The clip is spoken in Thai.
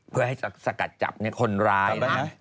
เพื่อให้สกัดจับคนร้ายนะ